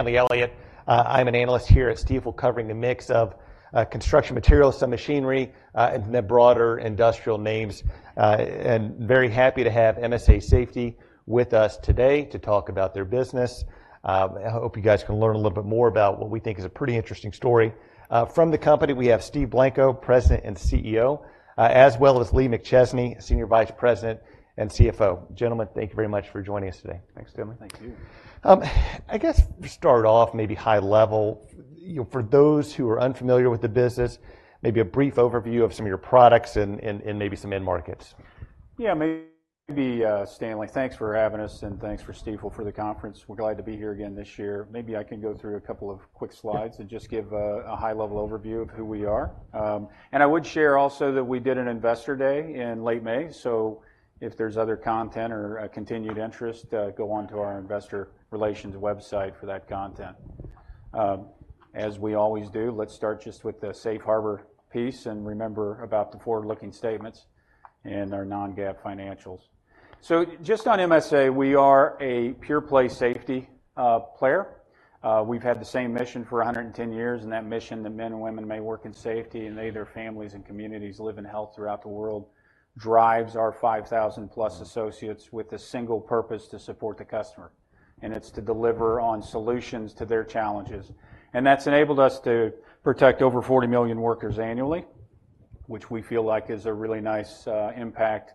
Stanley Elliott. I'm an analyst here at Stifel, covering a mix of construction materials and machinery, and the broader industrial names. Very happy to have MSA Safety with us today to talk about their business. I hope you guys can learn a little bit more about what we think is a pretty interesting story. From the company, we have Steve Blanco, President and CEO, as well as Lee McChesney, Senior Vice President and CFO. Gentlemen, thank you very much for joining us today. Thanks, gentlemen. Thank you. I guess to start off, maybe high level, you know, for those who are unfamiliar with the business, maybe a brief overview of some of your products and maybe some end markets. Yeah, maybe, Stanley. Thanks for having us, and thanks for Stifel for the conference. We're glad to be here again this year. Maybe I can go through a couple of quick slides and just give a high-level overview of who we are. I would share also that we did an Investor Day in late May, so if there's other content or continued interest, go on to our investor relations website for that content. As we always do, let's start just with the safe harbor piece, and remember about the forward-looking statements and our non-GAAP financials. Just on MSA, we are a pure play safety player. We've had the same mission for 110 years, and that mission, that men and women may work in safety, and they, their families, and communities live in health throughout the world, drives our 5,000+ associates with a single purpose: to support the customer, and it's to deliver on solutions to their challenges. And that's enabled us to protect over 40 million workers annually, which we feel like is a really nice, impact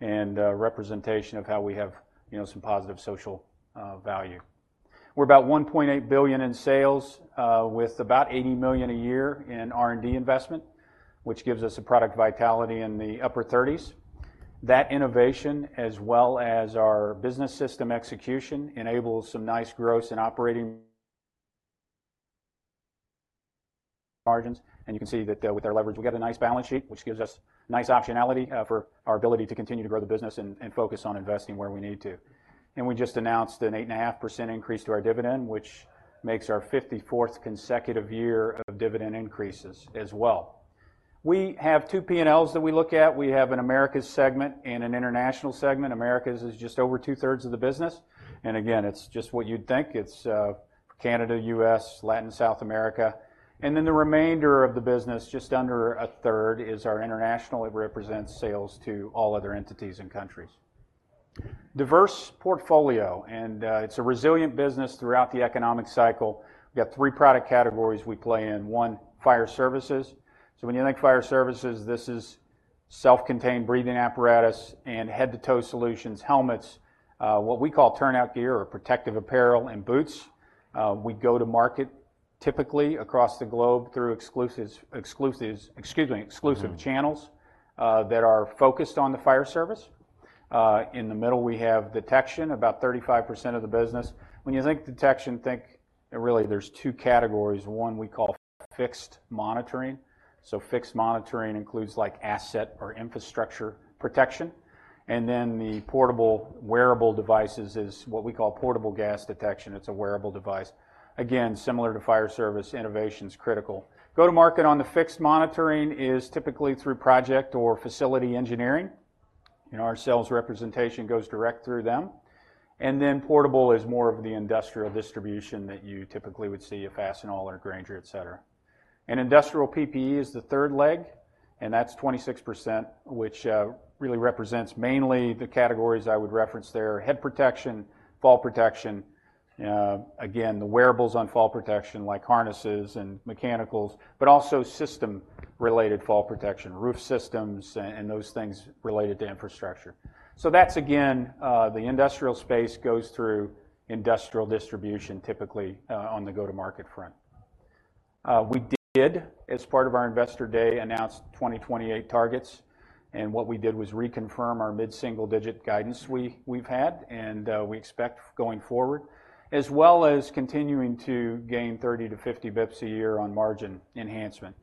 and, representation of how we have, you know, some positive social, value. We're about $1.8 billion in sales, with about $80 million a year in R&D investment, which gives us a product vitality in the upper 30s%. That innovation, as well as our business system execution, enables some nice gross and operating margins. And you can see that, with our leverage, we've got a nice balance sheet, which gives us nice optionality, for our ability to continue to grow the business and, and focus on investing where we need to. And we just announced an 8.5% increase to our dividend, which makes our 54th consecutive year of dividend increases as well. We have two P&Ls that we look at. We have an Americas segment and an international segment. Americas is just over two-thirds of the business, and again, it's just what you'd think. It's Canada, U.S., Latin America, South America, and then the remainder of the business, just under a third, is our international. It represents sales to all other entities and countries. Diverse portfolio, and, it's a resilient business throughout the economic cycle. We got 3 product categories we play in. 1, fire services. So when you think fire services, this is self-contained breathing apparatus and head-to-toe solutions, helmets, what we call turnout gear or protective apparel and boots. We go to market typically across the globe through exclusives, exclusives, excuse me, exclusive channels- Mm-hmm. that are focused on the fire service. In the middle, we have detection, about 35% of the business. When you think detection, think... Really, there's 2 categories. One, we call fixed monitoring. So fixed monitoring includes, like, asset or infrastructure protection, and then the portable wearable devices is what we call portable gas detection. It's a wearable device. Again, similar to fire service, innovation's critical. Go to market on the fixed monitoring is typically through project or facility engineering, and our sales representation goes direct through them. And then portable is more of the industrial distribution that you typically would see, a Fastenal or Grainger, et cetera. Industrial PPE is the third leg, and that's 26%, which really represents mainly the categories I would reference there: head protection, fall protection, again, the wearables on fall protection, like harnesses and mechanicals, but also system-related fall protection, roof systems, and those things related to infrastructure. So that's again the industrial space goes through industrial distribution, typically, on the go-to-market front. We did, as part of our Investor Day, announce 2028 targets, and what we did was reconfirm our mid-single-digit guidance we've had, and we expect going forward, as well as continuing to gain 30-50 basis points a year on margin enhancement.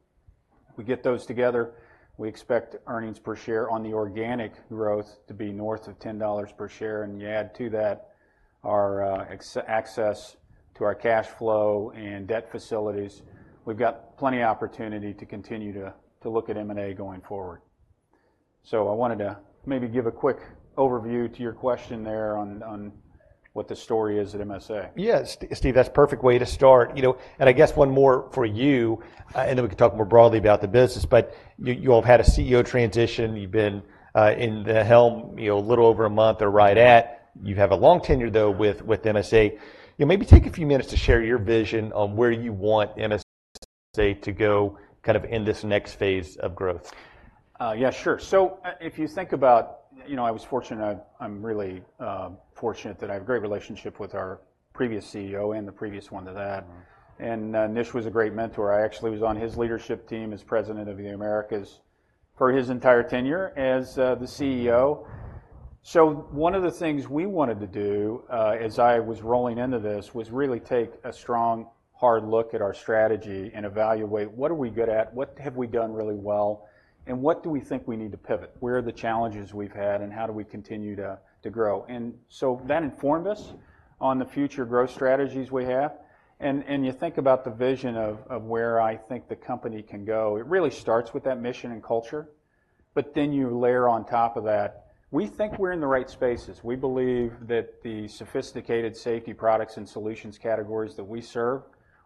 We get those together, we expect earnings per share on the organic growth to be north of $10 per share, and you add to that our access to our cash flow and debt facilities. We've got plenty of opportunity to continue to look at M&A going forward. So I wanted to maybe give a quick overview to your question there on what the story is at MSA. Yeah, Steve, that's a perfect way to start, you know, and I guess one more for you, and then we can talk more broadly about the business. But you all have had a CEO transition. You've been in the helm, you know, a little over a month or right at. You have a long tenure, though, with MSA. Yeah, maybe take a few minutes to share your vision on where you want MSA to go, kind of in this next phase of growth? Yeah, sure. So if you think about... You know, I was fortunate, I'm really fortunate that I have a great relationship with our previous CEO and the previous one to that. Mm-hmm. Nish was a great mentor. I actually was on his leadership team as president of the Americas for his entire tenure as the CEO. So one of the things we wanted to do, as I was rolling into this, was really take a strong, hard look at our strategy and evaluate, what are we good at, what have we done really well, and what do we think we need to pivot? Where are the challenges we've had, and how do we continue to grow? And so that informed us on the future growth strategies we have. And you think about the vision of where I think the company can go, it really starts with that mission and culture... but then you layer on top of that, we think we're in the right spaces. We believe that the sophisticated safety products and solutions categories that we serve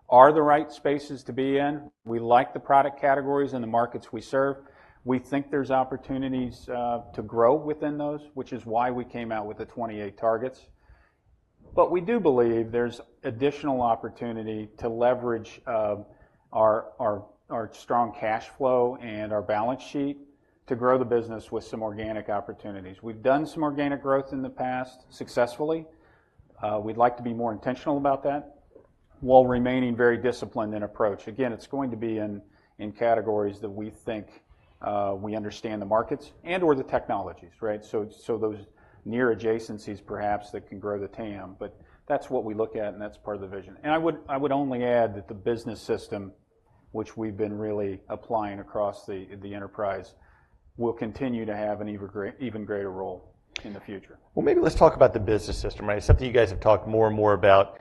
are the right spaces to be in. We like the product categories and the markets we serve. We think there's opportunities to grow within those, which is why we came out with the 28 targets. But we do believe there's additional opportunity to leverage our strong cash flow and our balance sheet to grow the business with some organic opportunities. We've done some organic growth in the past successfully. We'd like to be more intentional about that, while remaining very disciplined in approach. Again, it's going to be in categories that we think we understand the markets and/or the technologies, right? So those near adjacencies, perhaps, that can grow the TAM, but that's what we look at, and that's part of the vision. I would only add that the business system, which we've been really applying across the enterprise, will continue to have an even greater role in the future. Well, maybe let's talk about the business system, right? It's something you guys have talked more and more about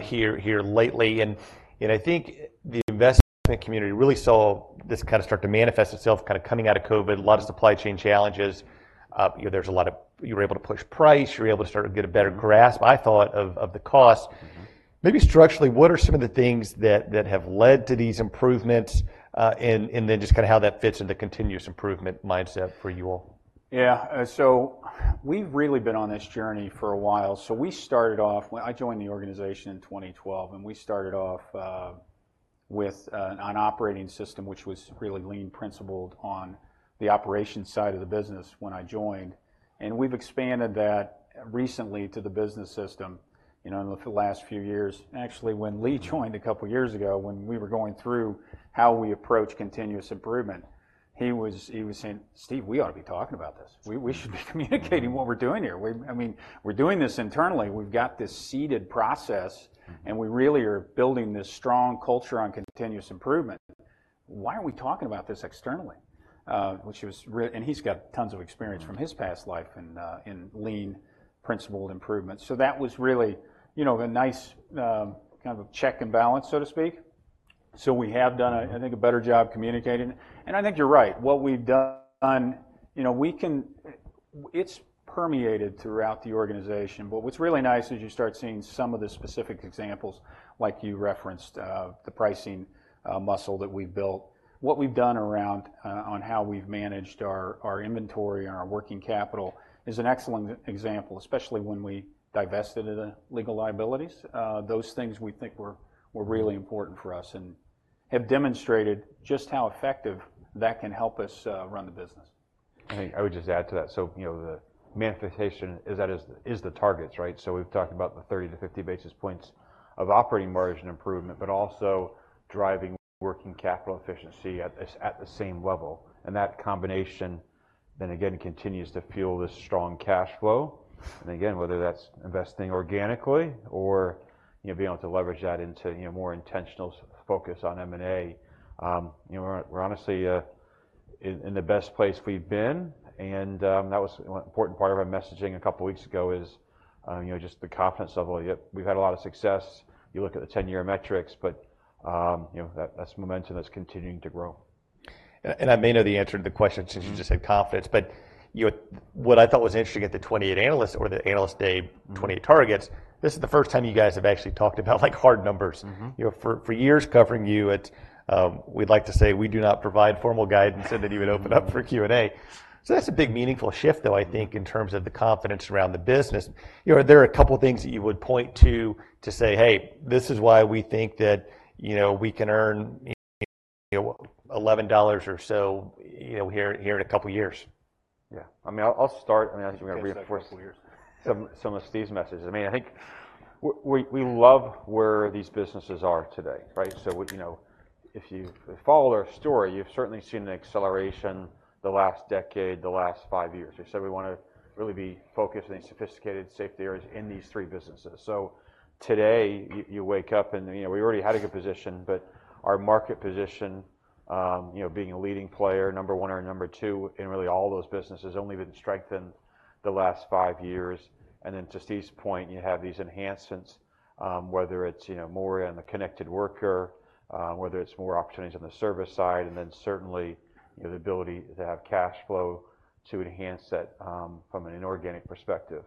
here lately. And I think the investment community really saw this kinda start to manifest itself, kinda coming out of COVID, a lot of supply chain challenges. You know, there's a lot of... You were able to push price, you were able to start to get a better grasp, I thought, of the cost. Mm-hmm. Maybe structurally, what are some of the things that have led to these improvements, and then just kinda how that fits into the continuous improvement mindset for you all? Yeah. So we've really been on this journey for a while. So we started off when I joined the organization in 2012, and we started off with an operating system, which was really lean principled on the operations side of the business when I joined, and we've expanded that recently to the business system, you know, in the last few years. Actually, when Lee joined a couple of years ago, when we were going through how we approach continuous improvement, he was saying, "Steve, we ought to be talking about this. We should be communicating what we're doing here. I mean, we're doing this internally. We've got this seeded process- Mm-hmm. - and we really are building this strong culture on continuous improvement. Why aren't we talking about this externally? And he's got tons of experience- Mm. from his past life in, in lean principled improvements. So that was really, you know, a nice, kind of a check and balance, so to speak. So we have done, I think, a better job communicating. And I think you're right. What we've done, you know, it's permeated throughout the organization. But what's really nice is you start seeing some of the specific examples, like you referenced, the pricing muscle that we've built. What we've done around, on how we've managed our inventory and our working capital is an excellent example, especially when we divested the legal liabilities. Those things we think were really important for us and have demonstrated just how effective that can help us, run the business. I think I would just add to that. So, you know, the manifestation is that is the targets, right? So we've talked about the 30-50 basis points of operating margin improvement, but also driving working capital efficiency at the same level. And that combination, then again, continues to fuel this strong cash flow. And again, whether that's investing organically or, you know, being able to leverage that into, you know, more intentional focus on M&A, you know, we're honestly in the best place we've been. And that was an important part of our messaging a couple of weeks ago is, you know, just the confidence level. Yep, we've had a lot of success. You look at the 10-year metrics, but, you know, that, that's momentum that's continuing to grow. And I may know the answer to the question since you just said confidence, but what I thought was interesting at the 28 analyst or the Analyst Day- Mm. 28 targets, this is the first time you guys have actually talked about, like, hard numbers. Mm-hmm. You know, for years covering you at... We'd like to say, "We do not provide formal guidance," and then you would open up for Q&A. So that's a big, meaningful shift, though, I think, in terms of the confidence around the business. You know, are there a couple of things that you would point to, to say, "Hey, this is why we think that, you know, we can earn, you know, $11 or so, you know, here in a couple of years? Yeah. I mean, I'll start, and I think I'm gonna reinforce- Yeah, say a couple of years. Some of Steve's message. I mean, I think we love where these businesses are today, right? So, you know, if you follow their story, you've certainly seen the acceleration the last decade, the last five years. We said we wanna really be focused in sophisticated safety areas in these three businesses. So today, you wake up, and, you know, we already had a good position, but our market position, you know, being a leading player, number one or number two in really all those businesses, only been strengthened the last five years. And then to Steve's point, you have these enhancements, whether it's, you know, more in the connected worker, whether it's more opportunities on the service side, and then certainly, the ability to have cash flow to enhance that, from an inorganic perspective.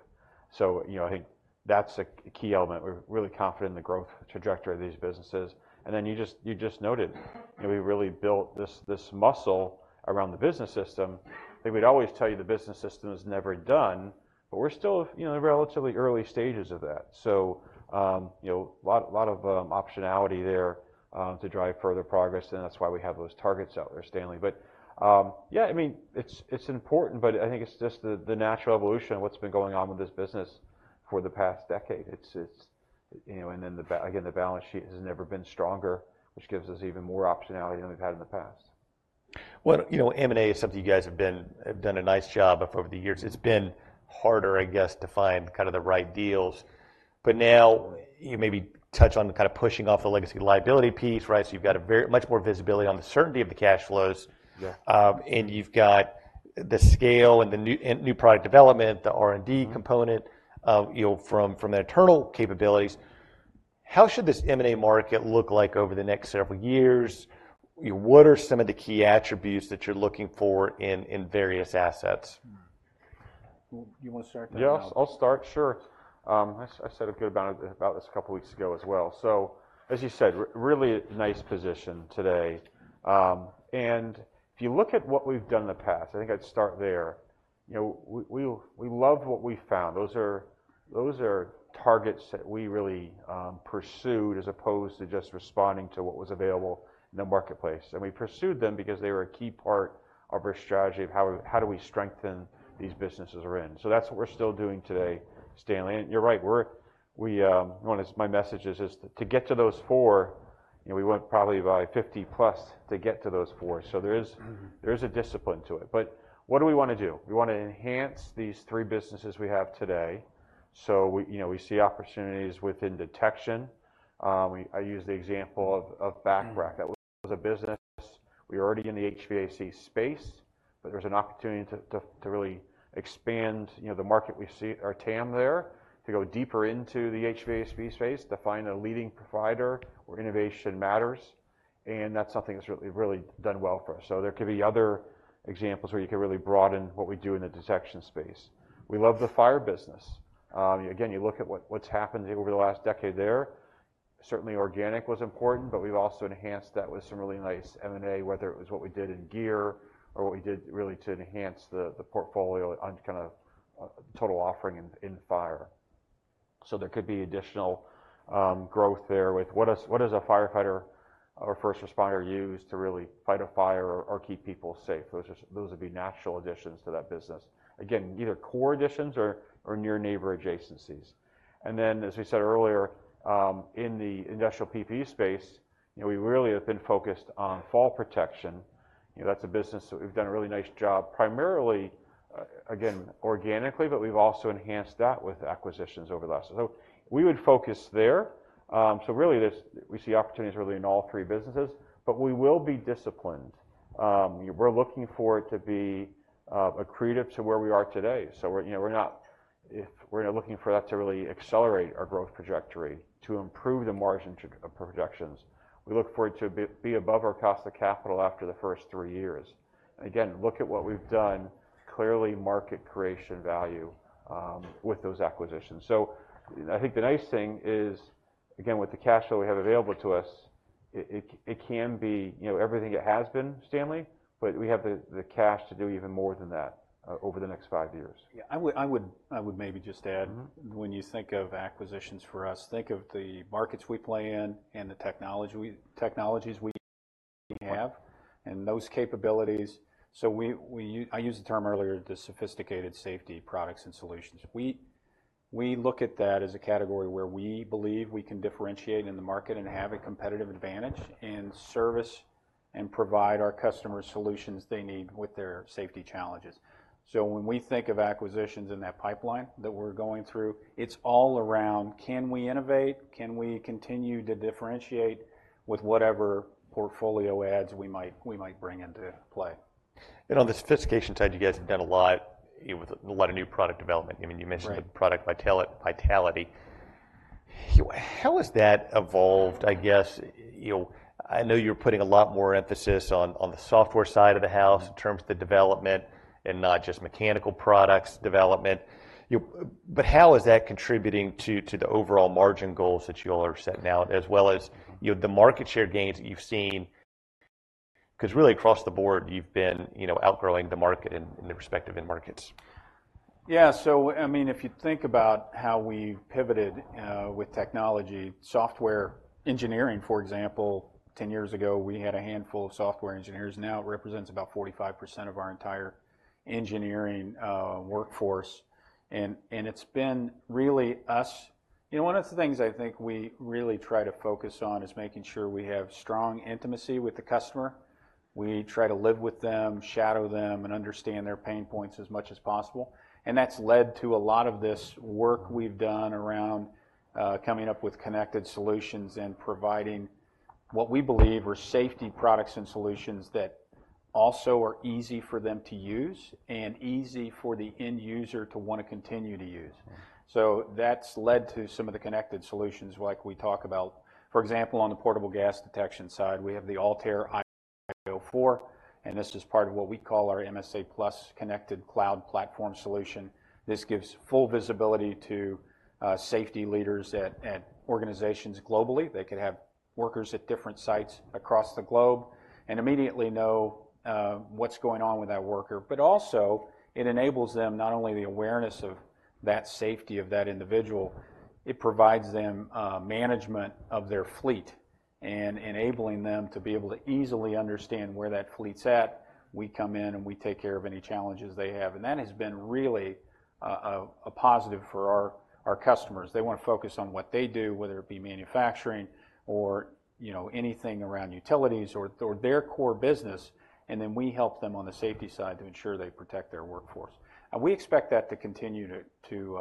So, you know, I think that's a key element. We're really confident in the growth trajectory of these businesses. And then you just noted, and we really built this muscle around the business system, that we'd always tell you the business system is never done, but we're still, you know, in the relatively early stages of that. So, you know, lot of optionality there to drive further progress, and that's why we have those targets out there, Stanley. But, yeah, I mean, it's important, but I think it's just the natural evolution of what's been going on with this business for the past decade. It's, you know, and then again, the balance sheet has never been stronger, which gives us even more optionality than we've had in the past. Well, you know, M&A is something you guys have done a nice job of over the years. It's been harder, I guess, to find kind of the right deals, but now, you maybe touch on kind of pushing off the legacy liability piece, right? So you've got very much more visibility on the certainty of the cash flows. Yeah. You've got the scale and new product development, the R&D component. Mm... you know, from the internal capabilities. How should this M&A market look like over the next several years? What are some of the key attributes that you're looking for in various assets? Well, you wanna start that? Yes, I'll start. Sure. I said a good amount about this a couple of weeks ago as well. So as you said, really nice position today. And if you look at what we've done in the past, I think I'd start there. You know, we love what we found. Those are targets that we really pursued, as opposed to just responding to what was available in the marketplace. And we pursued them because they were a key part of our strategy of how do we strengthen these businesses we're in. So that's what we're still doing today, Stanley. And you're right, we, one of my message is just to get to those four, you know, we went probably by 50+ to get to those four. So there is- Mm-hmm... there is a discipline to it. But what do we wanna do? We wanna enhance these three businesses we have today. So we, you know, we see opportunities within detection. I use the example of Bacharach. Mm. That was a business. We're already in the HVAC space, but there's an opportunity to really expand, you know, the market we see, our TAM there, to go deeper into the HVAC space, to find a leading provider where innovation matters, and that's something that's really, really done well for us. So there could be other examples where you could really broaden what we do in the detection space. We love the fire business. Again, you look at what's happened over the last decade there. Certainly, organic was important, but we've also enhanced that with some really nice M&A, whether it was what we did in gear or what we did really to enhance the portfolio on kind of total offering in fire. So there could be additional growth there with what is, what does a firefighter or first responder use to really fight a fire or, or keep people safe? Those are, those would be natural additions to that business. Again, either core additions or, or near neighbor adjacencies. And then, as we said earlier, in the industrial PPE space, you know, we really have been focused on fall protection. You know, that's a business that we've done a really nice job, primarily, again, organically, but we've also enhanced that with acquisitions over the last... So we would focus there. So really, this, we see opportunities really in all three businesses, but we will be disciplined. We're looking for it to be accretive to where we are today. So we're, you know, we're not if we're not looking for that to really accelerate our growth trajectory, to improve the margin projections. We look forward to be above our cost of capital after the first three years. Again, look at what we've done, clearly market creation value with those acquisitions. So I think the nice thing is, again, with the cash flow we have available to us, it can be, you know, everything it has been, Stanley, but we have the cash to do even more than that over the next five years. Yeah, I would maybe just add- Mm-hmm... when you think of acquisitions for us, think of the markets we play in and the technology, technologies we have, and those capabilities. So we—I used the term earlier, the sophisticated safety products and solutions. We look at that as a category where we believe we can differentiate in the market and have a competitive advantage, and service and provide our customers solutions they need with their safety challenges. So when we think of acquisitions in that pipeline that we're going through, it's all around: Can we innovate? Can we continue to differentiate with whatever portfolio adds we might bring into play? On the sophistication side, you guys have done a lot, with a lot of new product development. I mean, you mentioned- Right... the product vitality. How has that evolved? I guess, you know, I know you're putting a lot more emphasis on, on the software side of the house- Mm... in terms of the development and not just mechanical products development. You- but how is that contributing to, to the overall margin goals that you all are setting out, as well as, you know, the market share gains that you've seen? 'Cause really, across the board, you've been, you know, outgrowing the market in, in the respective end markets. Yeah. So I mean, if you think about how we pivoted with technology, software engineering, for example, 10 years ago, we had a handful of software engineers. Now, it represents about 45% of our entire engineering workforce, and it's been really... You know, one of the things I think we really try to focus on is making sure we have strong intimacy with the customer. We try to live with them, shadow them, and understand their pain points as much as possible, and that's led to a lot of this work we've done around coming up with connected solutions and providing what we believe are safety products and solutions that also are easy for them to use and easy for the end user to want to continue to use. So that's led to some of the connected solutions like we talk about. For example, on the portable gas detection side, we have the ALTAIR io 4, and this is part of what we call our MSA+ Connected Cloud Platform Solution. This gives full visibility to safety leaders at organizations globally. They could have workers at different sites across the globe and immediately know what's going on with that worker. But also, it enables them, not only the awareness of that safety of that individual, it provides them management of their fleet and enabling them to be able to easily understand where that fleet's at. We come in, and we take care of any challenges they have. And that has been really a positive for our customers. They want to focus on what they do, whether it be manufacturing or, you know, anything around utilities or their core business, and then we help them on the safety side to ensure they protect their workforce. And we expect that to continue to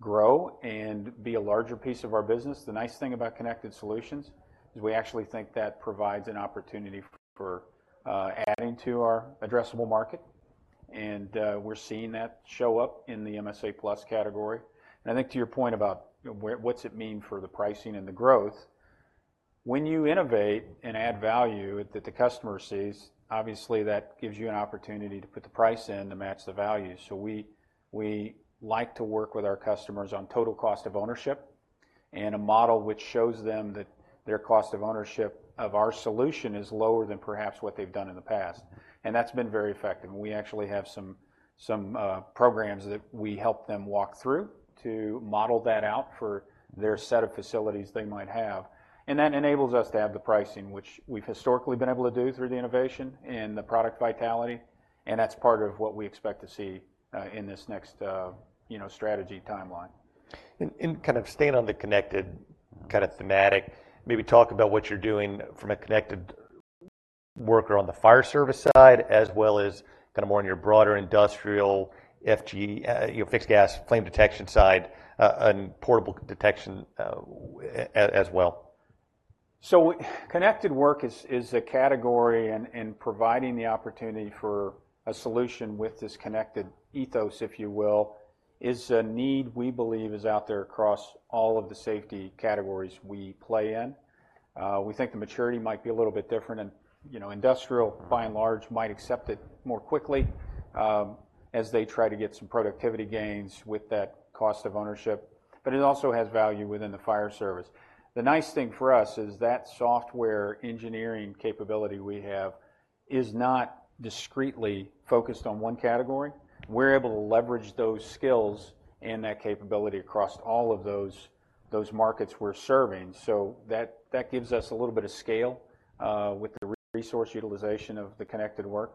grow and be a larger piece of our business. The nice thing about connected solutions is we actually think that provides an opportunity for adding to our addressable market.... and we're seeing that show up in the MSA+ category. And I think to your point about what's it mean for the pricing and the growth, when you innovate and add value that the customer sees, obviously, that gives you an opportunity to put the price in to match the value. So we, we like to work with our customers on total cost of ownership, and a model which shows them that their cost of ownership of our solution is lower than perhaps what they've done in the past, and that's been very effective. And we actually have some, some, programs that we help them walk through to model that out for their set of facilities they might have. And that enables us to have the pricing, which we've historically been able to do through the innovation and the product vitality, and that's part of what we expect to see, in this next, you know, strategy timeline. And kind of staying on the connected kind of thematic, maybe talk about what you're doing from a connected worker on the fire service side, as well as kind of more on your broader industrial FG, you know, fixed gas, flame detection side, and portable detection, as well. So connected work is, is a category, and, and providing the opportunity for a solution with this connected ethos, if you will, is a need we believe is out there across all of the safety categories we play in. We think the maturity might be a little bit different and, you know, industrial, by and large, might accept it more quickly, as they try to get some productivity gains with that cost of ownership, but it also has value within the fire service. The nice thing for us is that software engineering capability we have is not discretely focused on one category. We're able to leverage those skills and that capability across all of those, those markets we're serving. So that, that gives us a little bit of scale, with the resource utilization of the connected work.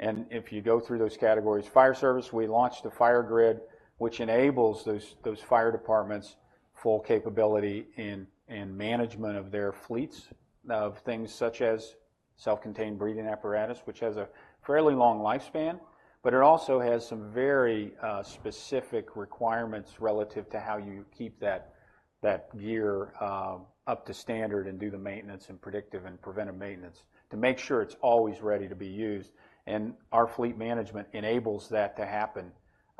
And if you go through those categories, fire service, we launched the FireGrid, which enables those fire departments' full capability in management of their fleets, of things such as self-contained breathing apparatus, which has a fairly long lifespan, but it also has some very specific requirements relative to how you keep that gear up to standard and do the maintenance and predictive and preventive maintenance to make sure it's always ready to be used. And our fleet management enables that to happen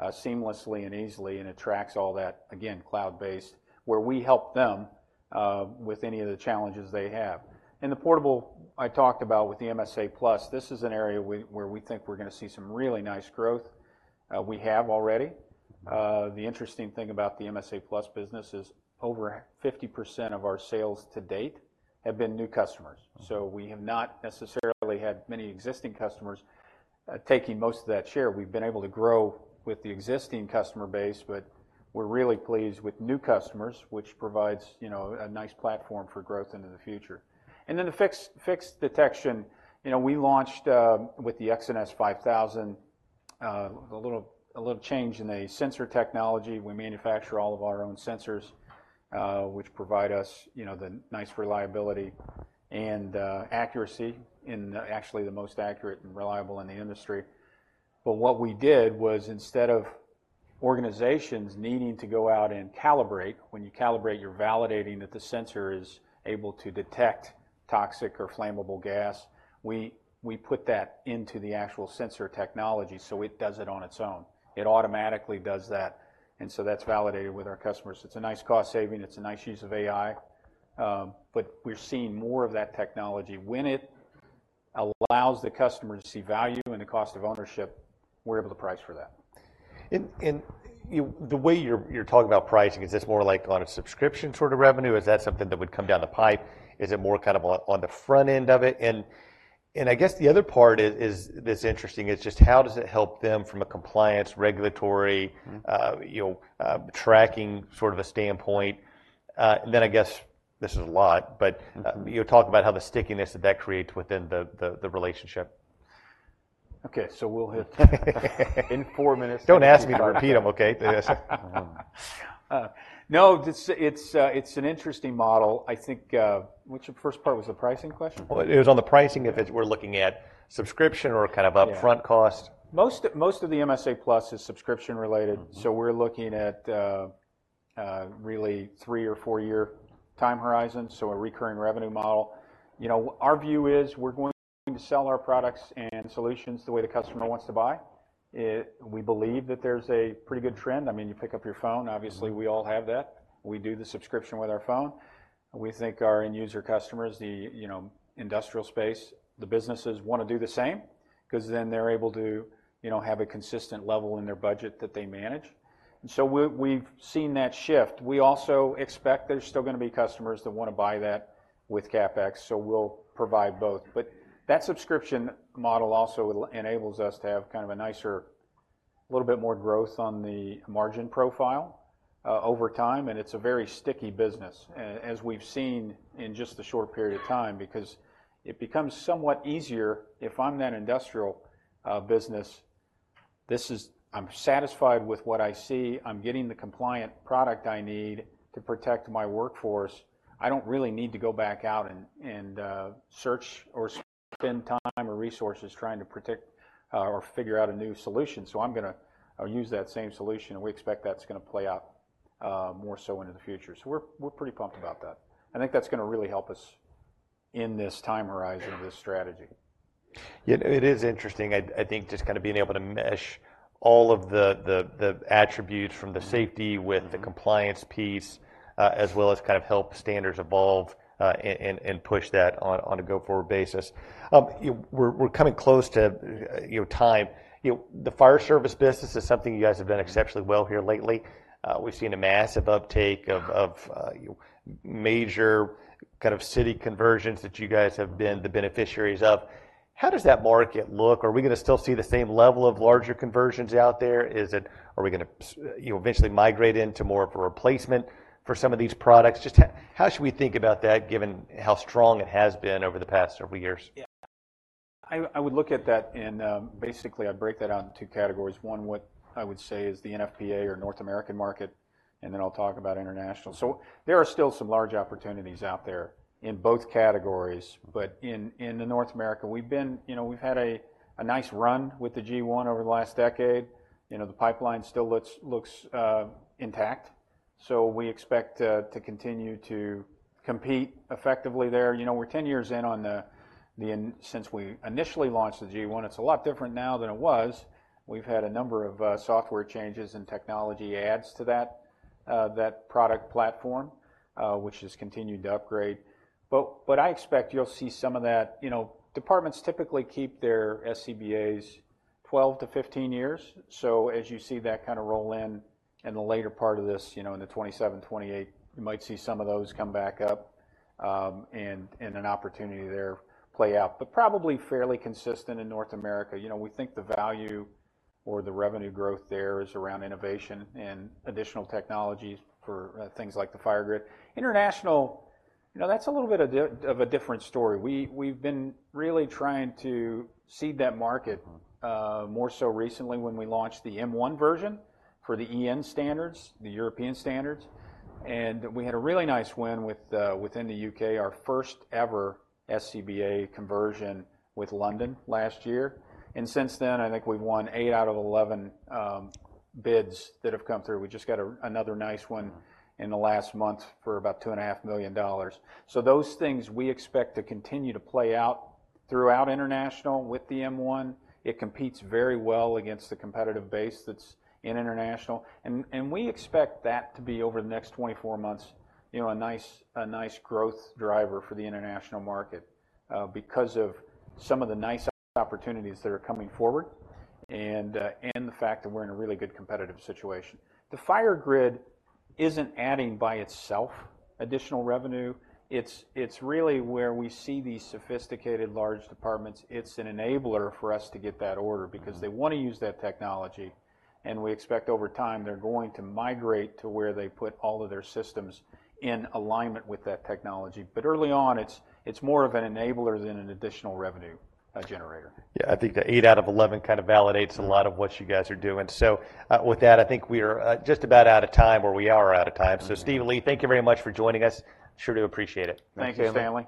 seamlessly and easily, and it tracks all that, again, cloud-based, where we help them with any of the challenges they have. In the portable, I talked about with the MSA+, this is an area where we think we're gonna see some really nice growth. We have already. The interesting thing about the MSA+ business is over 50% of our sales to date have been new customers. So we have not necessarily had many existing customers taking most of that share. We've been able to grow with the existing customer base, but we're really pleased with new customers, which provides, you know, a nice platform for growth into the future. And then the fixed detection, you know, we launched with the ULTIMA X5000 a little change in the sensor technology. We manufacture all of our own sensors, which provide us, you know, the nice reliability and accuracy, and actually, the most accurate and reliable in the industry. But what we did was, instead of organizations needing to go out and calibrate, when you calibrate, you're validating that the sensor is able to detect toxic or flammable gas, we put that into the actual sensor technology, so it does it on its own. It automatically does that, and so that's validated with our customers. It's a nice cost saving, it's a nice use of AI, but we're seeing more of that technology. When it allows the customer to see value in the cost of ownership, we're able to price for that. The way you're talking about pricing, is this more like on a subscription sort of revenue? Is that something that would come down the pipe? Is it more kind of on the front end of it? I guess the other part is that's interesting, is just how does it help them from a compliance, regulatory- Mm-hmm... you know, tracking sort of a standpoint? Then, I guess this is a lot, but- Mm-hmm... you talk about how the stickiness that that creates within the relationship. Okay, so we'll hit in four minutes. Don't ask me to repeat them, okay? Yes. No, it's an interesting model, I think... What's the first part? Was the pricing question? Well, it was on the pricing, if we're looking at subscription or kind of- Yeah... upfront cost. Most of the MSA+ is subscription related. Mm-hmm. So we're looking at really 3- or 4-year time horizon, so a recurring revenue model. You know, our view is we're going to sell our products and solutions the way the customer wants to buy it. We believe that there's a pretty good trend. I mean, you pick up your phone, obviously, we all have that. We do the subscription with our phone. We think our end user customers, the, you know, industrial space, the businesses want to do the same, 'cause then they're able to, you know, have a consistent level in their budget that they manage. And so we've seen that shift. We also expect there's still gonna be customers that want to buy that with CapEx, so we'll provide both. But that subscription model also enables us to have kind of a nicer, little bit more growth on the margin profile over time, and it's a very sticky business, as we've seen in just a short period of time. Because it becomes somewhat easier if I'm that industrial business. I'm satisfied with what I see. I'm getting the compliant product I need to protect my workforce. I don't really need to go back out and search or spend time or resources trying to predict or figure out a new solution. So I'm gonna use that same solution, and we expect that's gonna play out more so into the future. So we're pretty pumped about that. I think that's gonna really help us in this time horizon of this strategy. Yeah, it is interesting. I think just kind of being able to mesh all of the attributes from the safety with the compliance piece, as well as kind of help standards evolve, and push that on a go-forward basis. You know, we're coming close to you know, time. You know, the fire service business is something you guys have done exceptionally well here lately. We've seen a massive uptake of major kind of city conversions that you guys have been the beneficiaries of. How does that market look? Are we gonna still see the same level of larger conversions out there? Are we gonna you know, eventually migrate into more of a replacement for some of these products? Just how should we think about that, given how strong it has been over the past several years? Yeah. I would look at that, and basically, I'd break that out into two categories. One, what I would say is the NFPA or North American market, and then I'll talk about international. So there are still some large opportunities out there in both categories, but in North America, we've been... You know, we've had a nice run with the G1 over the last decade. You know, the pipeline still looks intact, so we expect to continue to compete effectively there. You know, we're 10 years in on the since we initially launched the G1. It's a lot different now than it was. We've had a number of software changes and technology adds to that product platform, which has continued to upgrade. But I expect you'll see some of that. You know, departments typically keep their SCBAs 12-15 years, so as you see that kind of roll in, in the later part of this, you know, in the 2027, 2028, you might see some of those come back up, and an opportunity there play out. But probably fairly consistent in North America. You know, we think the value or the revenue growth there is around innovation and additional technologies for things like the FireGrid. International, you know, that's a little bit of a different story. We, we've been really trying to seed that market, more so recently when we launched the M1 version for the EN standards, the European standards, and we had a really nice win with, within the U.K., our first ever SCBA conversion with London last year, and since then, I think we've won eight out of 11 bids that have come through. We just got another nice one in the last month for about $2.5 million. So those things we expect to continue to play out throughout international with the M1. It competes very well against the competitive base that's in international, and we expect that to be, over the next 24 months, you know, a nice growth driver for the international market, because of some of the nice opportunities that are coming forward and the fact that we're in a really good competitive situation. The FireGrid isn't adding, by itself, additional revenue. It's really where we see these sophisticated large departments. It's an enabler for us to get that order because they want to use that technology, and we expect over time they're going to migrate to where they put all of their systems in alignment with that technology. But early on, it's more of an enabler than an additional revenue generator. Yeah, I think the 8 out of 11 kind of validates a lot of what you guys are doing. So, with that, I think we are just about out of time, or we are out of time. Yeah. So Steve and Lee, thank you very much for joining us. Sure do appreciate it. Thank you, Stanley.